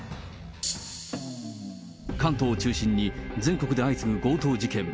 関東を中心に、全国で相次ぐ強盗事件。